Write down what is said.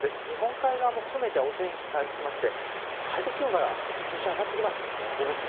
日本海側も含めてお天気が回復して最高気温が今週は上がってきます。